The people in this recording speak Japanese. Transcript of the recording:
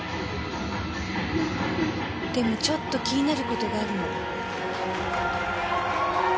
でもちょっと気になる事があるの。